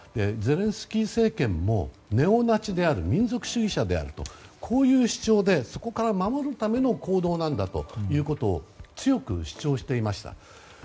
ゼレンスキー政権もネオナチである民族主義者であるとこういう主張で、そこから守るための行動なんだと強く主張していました。